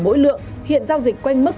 mỗi lượng hiện giao dịch quanh mức